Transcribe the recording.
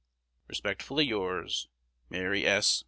Respectfully yours, Mart S.